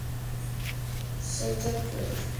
Shota Fukuoka